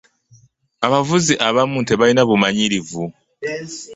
Abavuzi abamu tebalina bumanyirivu.